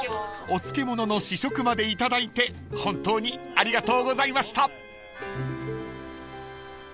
［お漬物の試食までいただいて本当にありがとうございました］